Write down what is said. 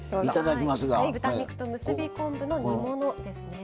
豚肉と結び昆布の煮物ですね。